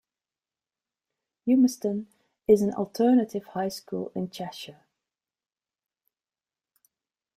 Humiston is an alternative high school in Cheshire.